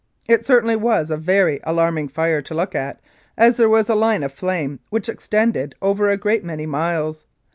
It certainly was a very alarming fire to look at, as there was a line of flame which extended over a great many miles.